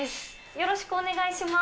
よろしくお願いします。